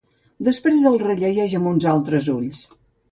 Després el rellegeix amb uns altres ulls.